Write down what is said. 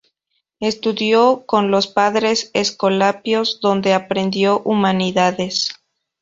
Estudió con los Padres Escolapios, donde aprendió humanidades.